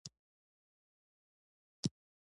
غرمه د دعا او توبې وخت بلل کېږي